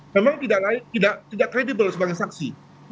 memang tidak kredibel sebagai saksi